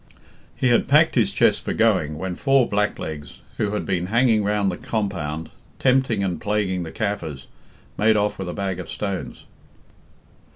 "'He had packed his chest for going, when four blacklegs, who had been hanging round the compound, tempting and plaguing the Kaffirs, made off with a bag of stones.